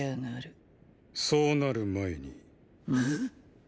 そうなる前にーー。！